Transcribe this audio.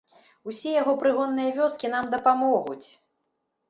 Усе яго прыгонныя вёскі нам дапамогуць!